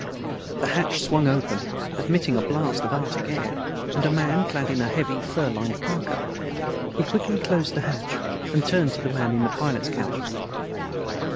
_ The hatch swung open, admitting a blast of Arctic air and a man clad in a heavy, fur lined parka. He quickly closed the hatch and turned to the man in the pilot's couch.